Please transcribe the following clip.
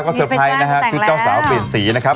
ก็เซอร์ไพยนะครับคุณเจ้าสาวเปลี่ยนสีนะครับ